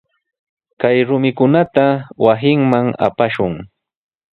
Kay rumikunata wasinman apashun.